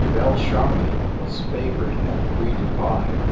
Belcharmion was favorite at three to five.